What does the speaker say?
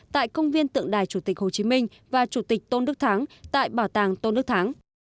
tại công viên tượng đài chủ tịch hồ chí minh và chủ tịch tôn đức thắng tại bảo tàng tôn đức thắng